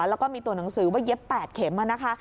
แล้วก็มีตัวหนังสือว่าเย็บ๘เข็มนะคะ